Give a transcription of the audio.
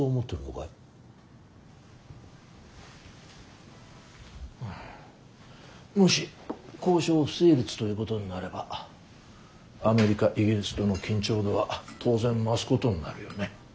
はあもし交渉不成立ということになればアメリカイギリスとの緊張度は当然増すことになるよね。